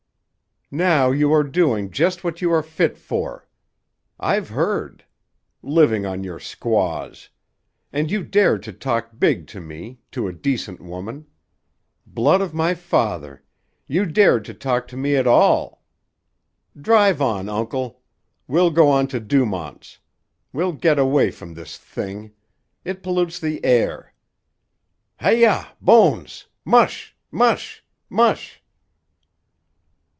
"Now you are doing just what you are fit for. I've heard. Living on your squaws! And you dared to talk big to me—to a decent woman. Blood of my father! You dared to talk to me at all! Drive on, Uncle. We'll go on to Dumont's. We'll get away from this thing; it pollutes the air. Hi yah, Bones! Mush, mush, mush!"